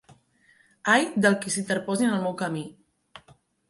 Ai del qui s'interposi en el meu camí!